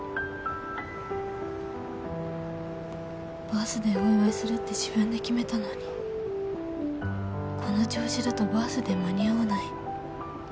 バースデーお祝いするって自分で決めたのにこの調子だとバースデー間に合わない。